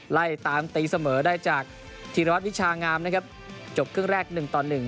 ไล่ตามตีเสมอได้จากธีรวัตรวิชางามนะครับจบครึ่งแรกหนึ่งต่อหนึ่ง